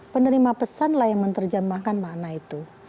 penerima pesan lah yang menerjemahkan makna itu